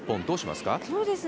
どうしますか？